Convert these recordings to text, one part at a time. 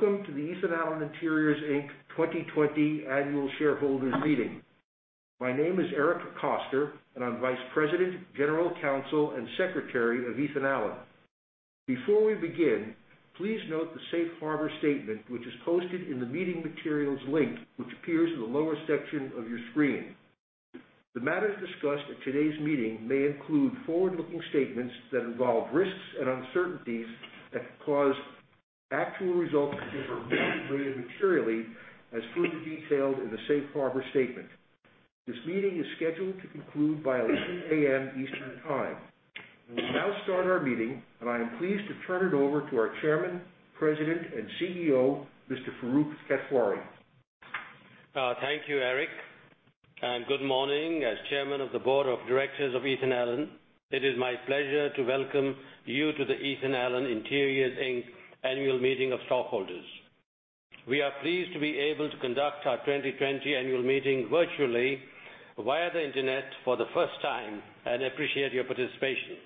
Welcome to the Ethan Allen Interiors Inc. 2020 Annual Shareholders Meeting. My name is Eric Koster, and I'm Vice President, General Counsel, and Secretary of Ethan Allen. Before we begin, please note the safe harbor statement, which is posted in the meeting materials link, which appears in the lower section of your screen. The matters discussed at today's meeting may include forward-looking statements that involve risks and uncertainties that could cause actual results to differ widely and materially, as further detailed in the safe harbor statement. This meeting is scheduled to conclude by 11:00 A.M. Eastern Time. We'll now start our meeting, and I am pleased to turn it over to our Chairman, President, and CEO, Mr. Farooq Kathwari. Thank you, Eric. Good morning. As Chairman of the Board of Directors of Ethan Allen, it is my pleasure to welcome you to the Ethan Allen Interiors Inc. Annual Meeting of Stockholders. We are pleased to be able to conduct our 2020 Annual Meeting virtually via the Internet for the first time and appreciate your participation.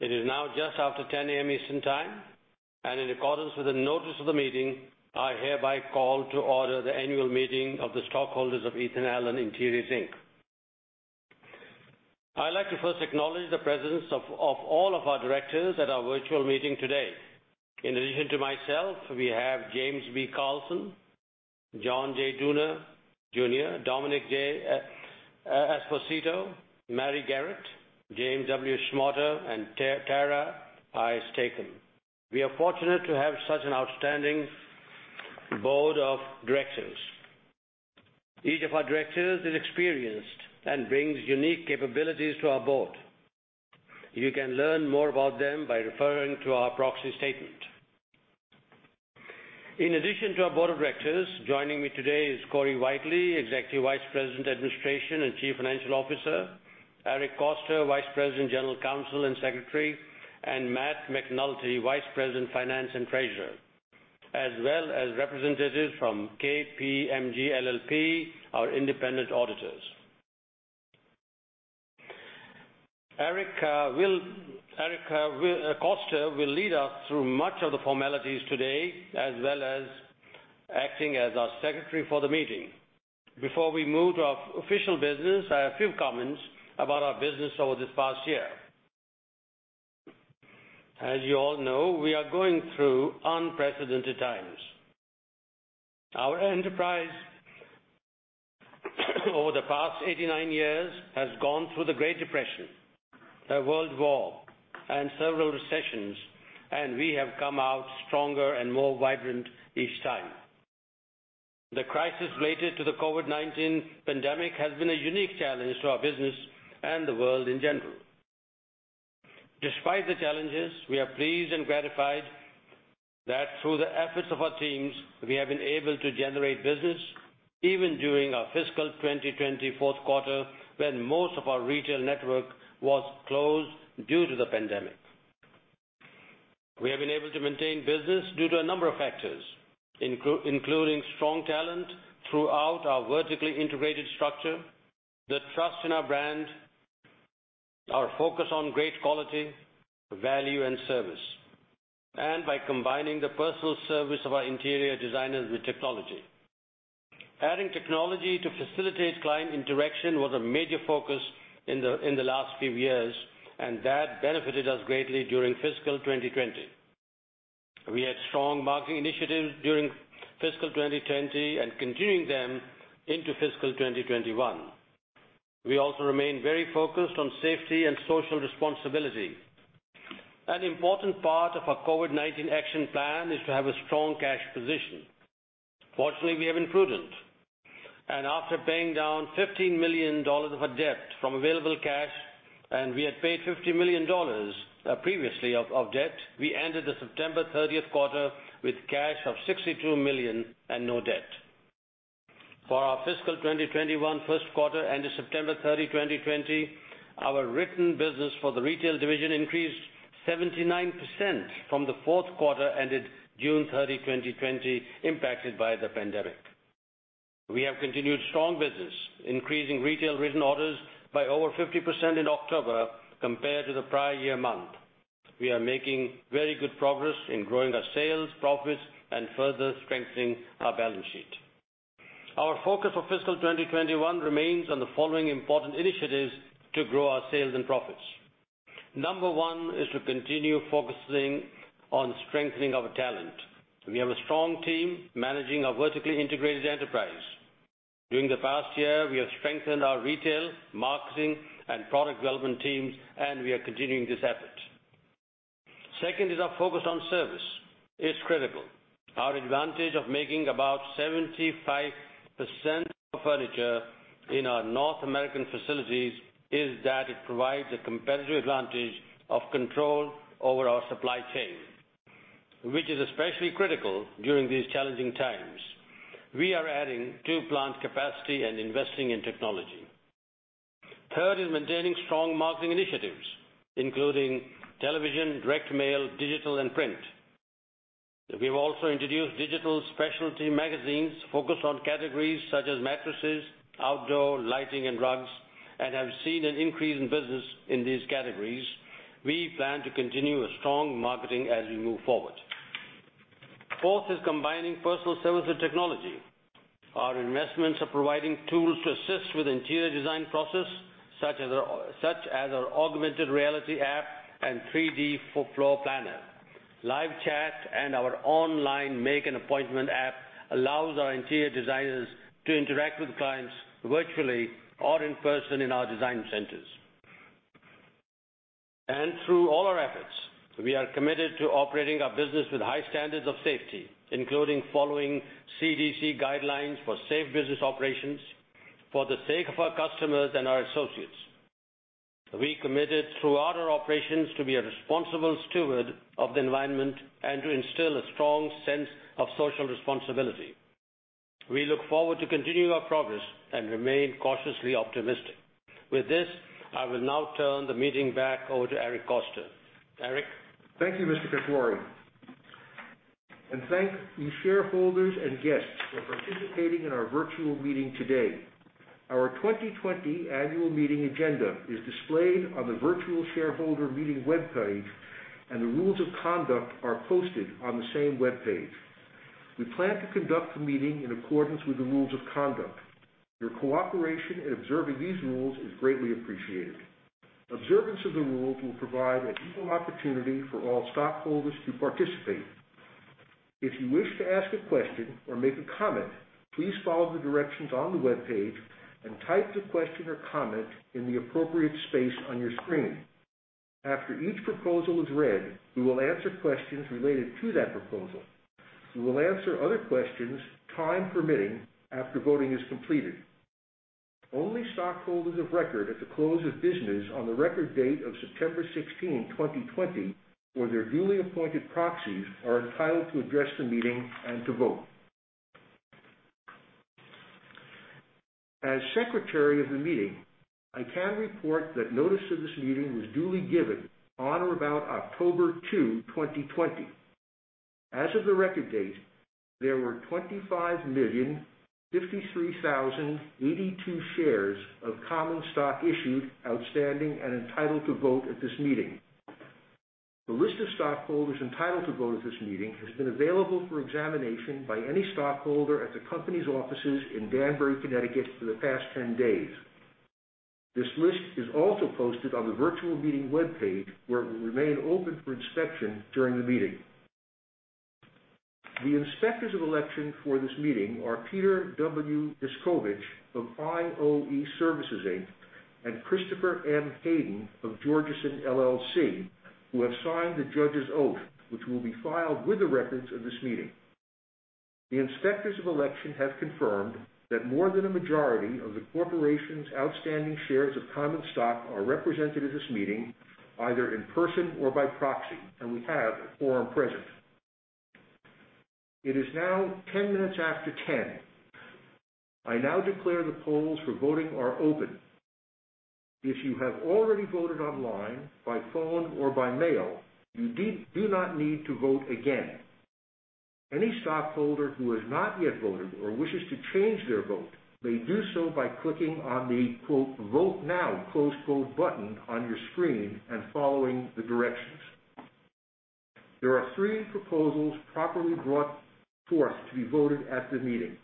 It is now just after 10:00 A.M. Eastern Time, and in accordance with the notice of the meeting, I hereby call to order the annual meeting of the stockholders of Ethan Allen Interiors Inc. I'd like to first acknowledge the presence of all of our directors at our virtual meeting today. In addition to myself, we have James B. Carlson, John J. Dooner Jr., Domenick J. Esposito, Mary Garrett, James W. Schmotter, and Tara I. Stacom. We are fortunate to have such an outstanding board of directors. Each of our directors is experienced and brings unique capabilities to our board. You can learn more about them by referring to our proxy statement. In addition to our board of directors, joining me today is Corey Whitely, Executive Vice President, Administration and Chief Financial Officer, Eric Koster, Vice President, General Counsel, and Secretary, and Matt McNulty, Vice President, Finance and Treasurer, as well as representatives from KPMG LLP, our independent auditors. Eric Koster will lead us through much of the formalities today, as well as acting as our secretary for the meeting. Before we move to official business, I have a few comments about our business over this past year. As you all know, we are going through unprecedented times. Our enterprise, over the past 89 years, has gone through the Great Depression, a World War, and several recessions, and we have come out stronger and more vibrant each time. The crisis related to the COVID-19 pandemic has been a unique challenge to our business and the world in general. Despite the challenges, we are pleased and gratified that through the efforts of our teams, we have been able to generate business, even during our fiscal 2020 fourth quarter, when most of our retail network was closed due to the pandemic. We have been able to maintain business due to a number of factors, including strong talent throughout our vertically integrated structure, the trust in our brand, our focus on great quality, value, and service, and by combining the personal service of our interior designers with technology. Adding technology to facilitate client interaction was a major focus in the last few years, and that benefited us greatly during fiscal 2020. We had strong marketing initiatives during fiscal 2020 and continuing them into fiscal 2021. We also remain very focused on safety and social responsibility. An important part of our COVID-19 action plan is to have a strong cash position. Fortunately, we have been prudent, and after paying down $15 million of our debt from available cash, and we had paid $50 million previously of debt, we ended the September 30th quarter with cash of $62 million and no debt. For our fiscal 2021 first quarter ended September 30, 2020, our written business for the retail division increased 79% from the fourth quarter ended June 30, 2020, impacted by the pandemic. We have continued strong business, increasing retail written orders by over 50% in October compared to the prior year month. We are making very good progress in growing our sales, profits, and further strengthening our balance sheet. Our focus for fiscal 2021 remains on the following important initiatives to grow our sales and profits. Number one is to continue focusing on strengthening our talent. We have a strong team managing our vertically integrated enterprise. During the past year, we have strengthened our retail, marketing, and product development teams, and we are continuing this effort. Second is our focus on service. It's critical. Our advantage of making about 75% of furniture in our North American facilities is that it provides a competitive advantage of control over our supply chain, which is especially critical during these challenging times. We are adding to plant capacity and investing in technology. Third is maintaining strong marketing initiatives, including television, direct mail, digital, and print. We've also introduced digital specialty magazines focused on categories such as mattresses, outdoor lighting, and rugs and have seen an increase in business in these categories. We plan to continue a strong marketing as we move forward. Fourth is combining personal service with technology. Our investments are providing tools to assist with interior design process, such as our Augmented Reality app and 3D floor planner. Live chat and our online Make An Appointment app allows our interior designers to interact with clients virtually or in person in our design centers. Through all our efforts, we are committed to operating our business with high standards of safety, including following CDC guidelines for safe business operations for the sake of our customers and our associates. We're committed throughout our operations to be a responsible steward of the environment and to instill a strong sense of social responsibility. We look forward to continuing our progress and remain cautiously optimistic. With this, I will now turn the meeting back over to Eric Koster. Eric? Thank you, Mr. Kathwari. Thank you shareholders and guests for participating in our virtual meeting today. Our 2020 Annual Meeting agenda is displayed on the virtual shareholder meeting webpage, and the rules of conduct are posted on the same webpage. We plan to conduct the meeting in accordance with the rules of conduct. Your cooperation in observing these rules is greatly appreciated. Observance of the rules will provide an equal opportunity for all stockholders to participate. If you wish to ask a question or make a comment, please follow the directions on the webpage and type the question or comment in the appropriate space on your screen. After each proposal is read, we will answer questions related to that proposal. We will answer other questions, time permitting, after voting is completed. Only stockholders of record at the close of business on the record date of September 16, 2020, or their duly appointed proxies are entitled to address the meeting and to vote. As secretary of the meeting, I can report that notice of this meeting was duly given on or about October 2, 2020. As of the record date, there were 25,053,082 shares of common stock issued, outstanding, and entitled to vote at this meeting. The list of stockholders entitled to vote at this meeting has been available for examination by any stockholder at the company's offices in Danbury, Connecticut for the past 10 days. This list is also posted on the virtual meeting webpage, where it will remain open for inspection during the meeting. The Inspectors of Election for this meeting are Peter W. Descovich of IOE Services Inc., and Christopher M. Hayden of Georgeson LLC, who have signed the judge's oath, which will be filed with the records of this meeting. The Inspectors of Election have confirmed that more than a majority of the corporation's outstanding shares of common stock are represented at this meeting, either in person or by proxy, and we have a quorum present. It is now 10:10 A.M. I now declare the polls for voting are open. If you have already voted online, by phone, or by mail, you do not need to vote again. Any stockholder who has not yet voted or wishes to change their vote may do so by clicking on the "Vote Now" button on your screen and following the directions. There are three proposals properly brought forth to be voted at the meeting.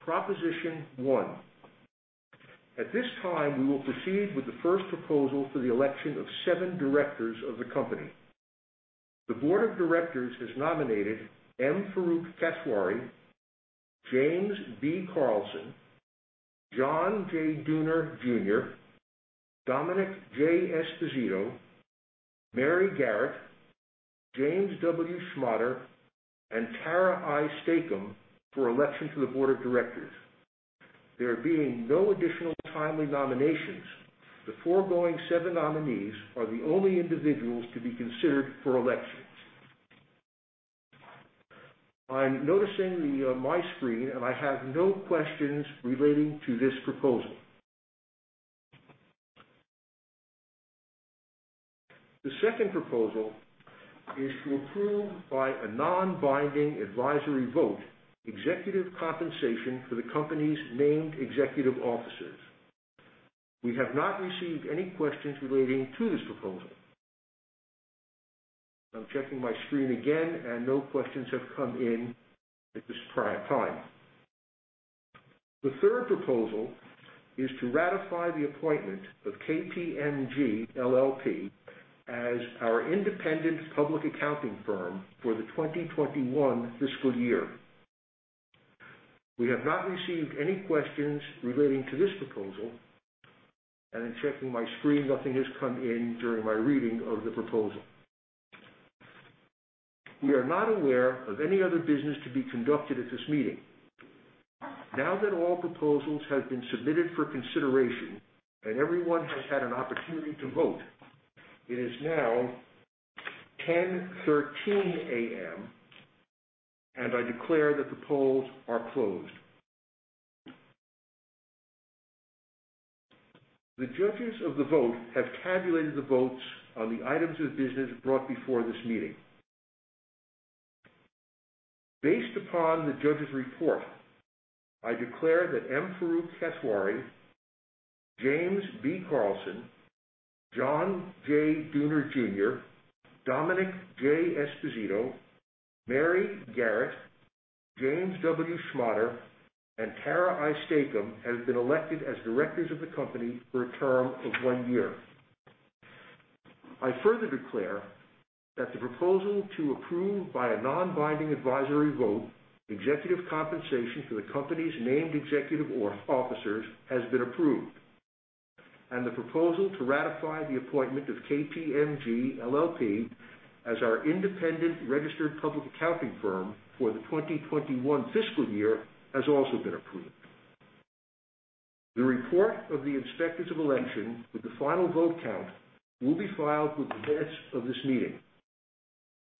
Proposition 1. At this time, we will proceed with the first proposal for the election of seven directors of the company. The board of directors has nominated M. Farooq Kathwari, James B. Carlson, John J. Dooner Jr., Domenick J. Esposito, Mary Garrett, James W. Schmotter, and Tara I. Stacom for election to the board of directors. There being no additional timely nominations, the foregoing seven nominees are the only individuals to be considered for elections. I'm noticing my screen, and I have no questions relating to this proposal. The second proposal is to approve by a non-binding advisory vote executive compensation for the company's named executive officers. We have not received any questions relating to this proposal. I'm checking my screen again, and no questions have come in at this time. The third proposal is to ratify the appointment of KPMG LLP as our independent public accounting firm for the 2021 fiscal year. We have not received any questions relating to this proposal. In checking my screen, nothing has come in during my reading of the proposal. We are not aware of any other business to be conducted at this meeting. Now that all proposals have been submitted for consideration and everyone has had an opportunity to vote, it is now 10:13 A.M., and I declare that the polls are closed. The judges of the vote have tabulated the votes on the items of business brought before this meeting. Based upon the judge's report, I declare that M. Farooq Kathwari, James B. Carlson, John J. Dooner Jr., Domenick J. Esposito, Mary Garrett, James W. Schmotter, and Tara I. Stacom have been elected as directors of the company for a term of one year. I further declare that the proposal to approve by a non-binding advisory vote executive compensation for the company's named executive officers has been approved, and the proposal to ratify the appointment of KPMG LLP as our independent registered public accounting firm for the 2021 fiscal year has also been approved. The report of the Inspectors of Election with the final vote count will be filed with the minutes of this meeting.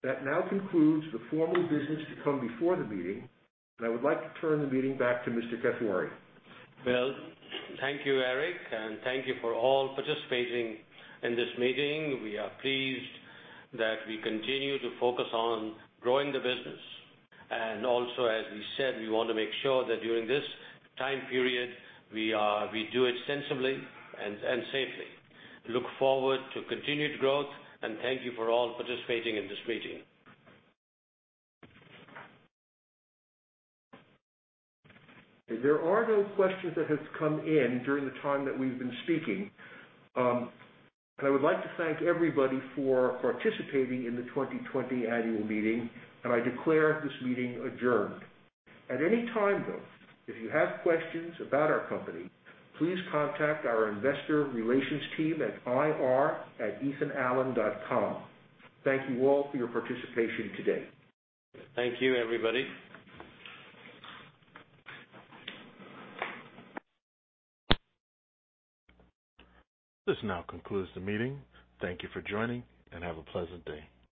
That now concludes the formal business to come before the meeting, and I would like to turn the meeting back to Mr. Kathwari. Well, thank you, Eric, and thank you for all participating in this meeting. We are pleased that we continue to focus on growing the business. Also, as we said, we want to make sure that during this time period, we do it sensibly and safely. Look forward to continued growth, and thank you for all participating in this meeting. There are no questions that have come in during the time that we've been speaking. I would like to thank everybody for participating in the 2020 Annual Meeting, and I declare this meeting adjourned. At any time, though, if you have questions about our company, please contact our Investor Relations team at ir@ethanallen.com. Thank you all for your participation today. Thank you, everybody. This now concludes the meeting. Thank you for joining, and have a pleasant day.